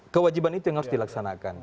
kewajiban itu yang harus dilaksanakan